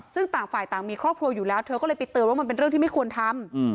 ซึ่งต่างฝ่ายต่างมีครอบครัวอยู่แล้วเธอก็เลยไปเตือนว่ามันเป็นเรื่องที่ไม่ควรทำ